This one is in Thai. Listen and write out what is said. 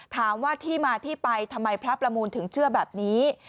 ถามว่าที่มาที่ไปทำไมพระประมูลถึงเชื่อแบบนี้